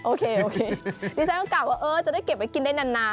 โอเคนี่ฉันต้องกลับว่าเออจะได้เก็บไว้กินได้นาน